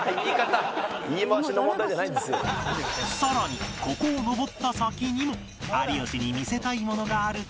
さらにここを上った先にも有吉に見せたいものがあるという